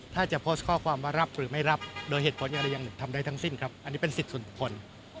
ถ้าจะโพสต์ข้อความว่ารับหรือไม่รับโดยเหตุผลอะไรอย่างหนึ่งทำได้ทั้งสิ้นครับอันนี้เป็นสิทธิส่วนบุคคล